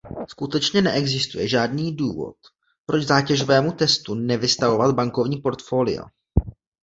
Skutečně neexistuje žádný důvod, proč zátěžovému testu nevystavovat bankovní portfolia.